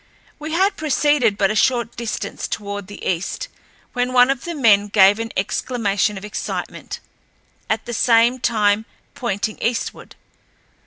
We had proceeded but a short distance toward the east when one of the men gave an exclamation of excitement, at the same time pointing eastward.